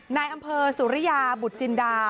นายอำเภอสุริยาบุตรจินดา